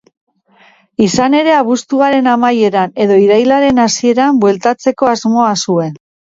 Izan ere, abuztuaren amaieran edo irailaren hasieran bueltatzeko asmoa zuen.